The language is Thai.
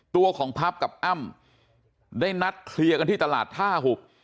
ตัวของพับกับอ้ำได้นัดเคลียร์กันที่ตลาดท่าหุบ